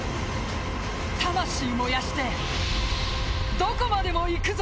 魂燃やして、どこまでもいくぞ。